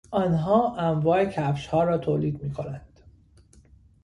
آنها انواع کفشها را تولید میکنند.